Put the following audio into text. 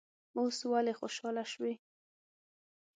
اوس ولې خوشاله شوې.